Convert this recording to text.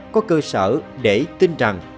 có cơ sở để tin rằng